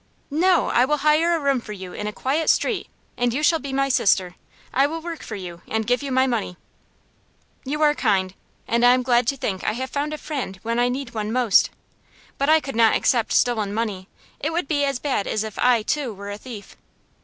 "No; I will hire a room for you in a quiet street, and you shall be my sister. I will work for you, and give you my money." "You are kind, and I am glad to think I have found a friend when I need one most. But I could not accept stolen money. It would be as bad as if I, too, were a thief."